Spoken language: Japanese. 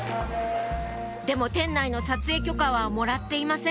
でも店内の撮影許可はもらっていません